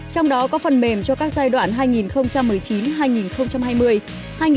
trong đó có phần mềm cho các giai đoạn hai nghìn một mươi chín hai nghìn hai mươi hai nghìn hai mươi một hai nghìn hai mươi năm